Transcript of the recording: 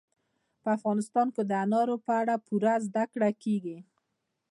په افغانستان کې د انارو په اړه پوره زده کړه کېږي.